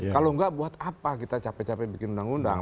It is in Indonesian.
kalau enggak buat apa kita capek capek bikin undang undang